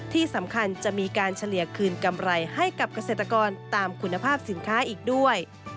ที่สำคัญจะมีการเฉลี่ยคืนกำไรให้กับเกษตรกรตามคุณภาพสินค้าอีกด้วย